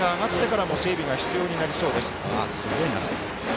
雨が上がってからも整備が必要になりそうです。